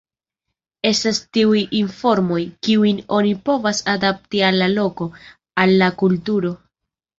Estas tiuj informoj, kiujn oni povas adapti al la loko, al la kulturo.